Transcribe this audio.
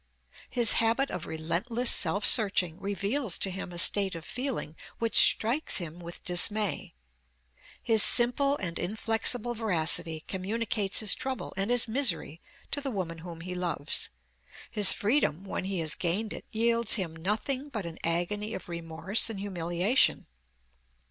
His habit of relentless self searching reveals to him a state of feeling which strikes him with dismay; his simple and inflexible veracity communicates his trouble and his misery to the woman whom he loves; his freedom, when he has gained it, yields him nothing but an agony of remorse and humiliation.